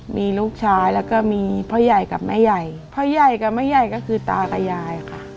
มีลูกชายแล้วก็มีพ่อใหญ่กับแม่ใหญ่พ่อใหญ่กับแม่ใหญ่ก็คือตากับยายค่ะ